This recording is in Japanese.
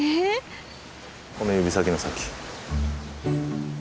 この指先の先。